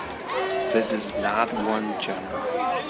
This is not one genre.